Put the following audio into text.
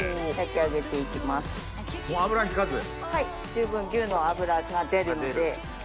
十分牛の脂が出るので。